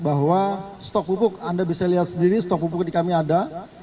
bahwa stok pupuk anda bisa lihat sendiri stok pupuk di kami ada